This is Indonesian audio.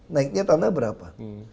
naiknya tanah berapa